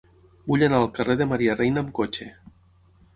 Vull anar al carrer de Maria Reina amb cotxe.